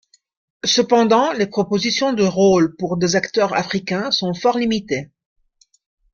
Cependant, les propositions de rôles pour des acteurs africains sont fort limitées.